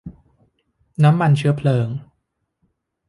น้ำมันเชื้อเพลิง